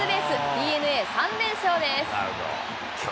ＤｅＮＡ３連勝です。